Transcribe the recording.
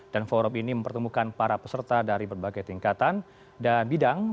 dan forum ini mempertemukan para peserta dari berbagai tingkatan dan bidang